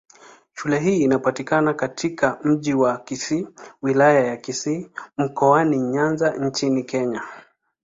Shule hii inapatikana katika Mji wa Kisii, Wilaya ya Kisii, Mkoani Nyanza nchini Kenya.